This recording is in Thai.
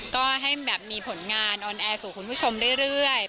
ก็ให้แบบมีผลงานออนแอร์สู่คุณผู้ชมเรื่อย